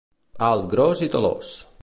Alt, gros i talòs.